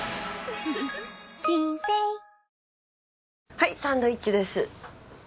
はいサンドイッチです。